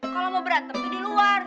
kalau mau berantem tuh di luar